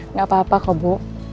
nggak apa apa kok bu